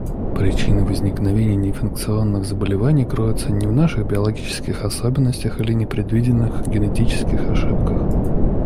Причины возникновения неинфекционных заболеваний кроются не в наших биологических особенностях или непредвиденных генетических ошибках.